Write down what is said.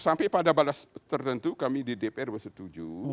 sampai pada balas tertentu kami di dpr bersetuju